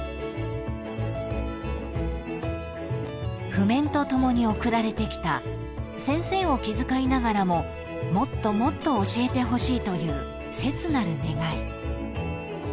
［譜面と共に送られてきた先生を気遣いながらももっともっと教えてほしいという切なる願い］